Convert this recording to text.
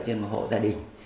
trên một hộ gia đình